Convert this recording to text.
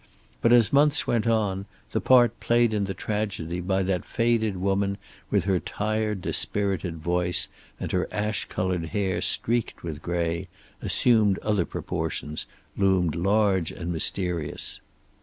But as months went on, the part played in the tragedy by that faded woman with her tired dispirited voice and her ash colored hair streaked with gray, assumed other proportions, loomed large and mysterious.